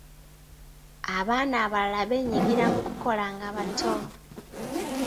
Abaana abalala beenyigira mu kukola nga bato.